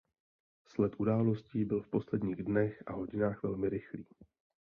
Sled událostí byl v posledních dnech a hodinách velmi rychlý.